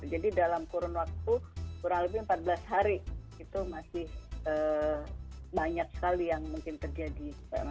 jadi dalam kurun waktu kurang lebih empat belas hari itu masih banyak sekali yang mungkin terjadi